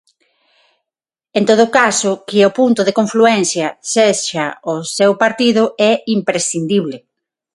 En todo caso, que o punto de confluencia sexa o seu partido é "imprescindible".